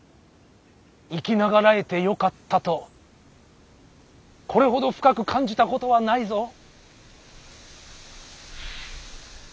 生き長らえてよかったとこれほど深く感じたことはないぞ。